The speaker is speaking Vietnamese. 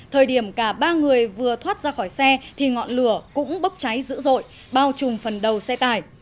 thời điểm cả ba người vừa thoát ra khỏi xe thì ngọn lửa cũng bốc cháy dữ dội bao trùm phần đầu xe tải